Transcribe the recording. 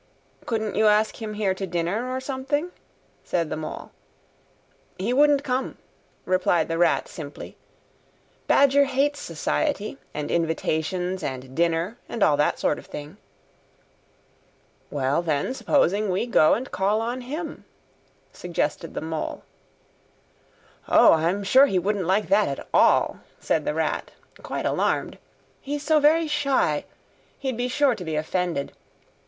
"Couldn't you ask him here dinner or something?" said the Mole. "He wouldn't come," replied the Rat simply. "Badger hates Society, and invitations, and dinner, and all that sort of thing." "Well, then, supposing we go and call on him?" suggested the Mole. "O, I'm sure he wouldn't like that at all," said the Rat, quite alarmed. "He's so very shy, he'd be sure to be offended.